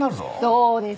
そうです！